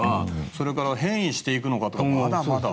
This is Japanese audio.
それから変異していくのか。